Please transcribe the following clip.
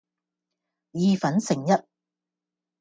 意粉剩一